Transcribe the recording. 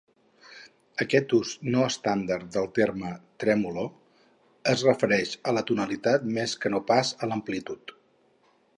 Aquest ús no estàndard del terme "tremolo" es refereix a la tonalitat més que no pas a l'amplitud.